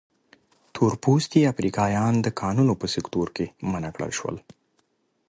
تور پوستي افریقایان د کانونو په سکتور کې منع کړل شول.